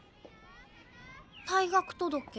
退学届。